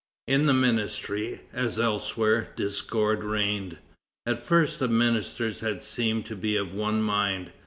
In the ministry, as elsewhere, discord reigned. At first, the ministers had seemed to be of one mind.